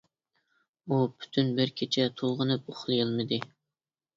ئۇ پۈتۈن بىر كېچە تولغىنىپ ئۇخلىيالمىدى.